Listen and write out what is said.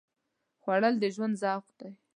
خوړل د ژوند ذوق دی